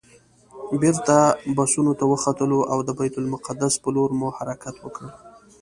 بېرته بسونو ته وختلو او د بیت المقدس پر لور مو حرکت وکړ.